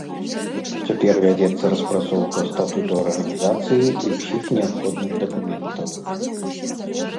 Цяпер вядзецца распрацоўка статуту арганізацыі і ўсіх неабходных дакументаў.